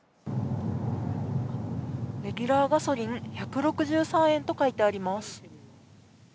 レギュラーガソリン１６３円と書いてあります。